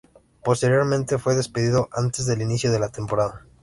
Posteriormente fue despedido antes del inicio de la temporada.